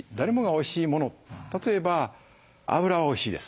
例えば脂はおいしいです。